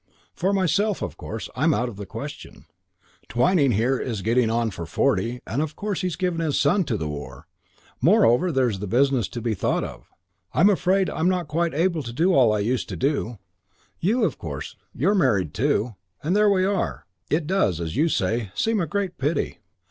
For myself, of course, I'm out of the question. Twyning here is getting on for forty and of course he's given his son to the war; moreover, there's the business to be thought of. I'm afraid I'm not quite able to do all I used to do. You of course, you're married too, and there we are! It does, as you say, seem a great pity."